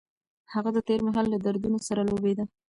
هغه د تېر مهال له دردونو سره لوبېده.